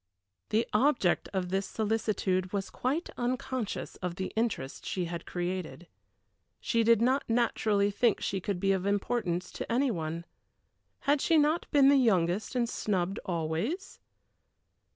The object of this solicitude was quite unconscious of the interest she had created. She did not naturally think she could be of importance to any one. Had she not been the youngest and snubbed always?